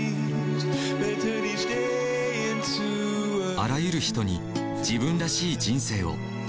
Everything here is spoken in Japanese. あらゆる人に自分らしい人生を。